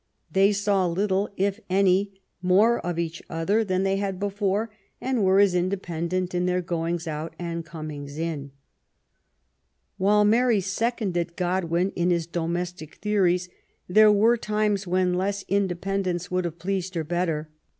They saw little, if any, more of each other than they had before, and were as independent in their goings out and comings in. While Mary seconded Godwin in his domestic theo ries, there were times when less independence would LIFE WITH GODWIN: MABBIAGE. 195 have pleased her better.